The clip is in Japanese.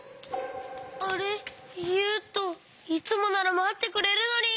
あれゆうといつもならまってくれるのに！